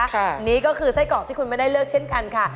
อันนี้ก็คือไส้กรอกที่คุณไม่ได้เลือกเช่นกันค่ะ